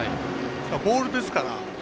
ボールですから。